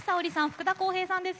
福田こうへいさんです。